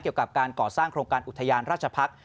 เกี่ยวกับการก่อสร้างโครงการอุทยานราชพักษ์